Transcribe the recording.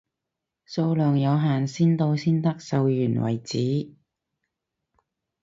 數量有限，先到先得，售完為止，